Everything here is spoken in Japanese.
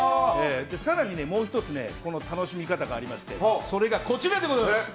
更にもう１つ楽しみ方がありましてそれがこちらでございます。